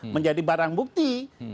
menjadi barang bukti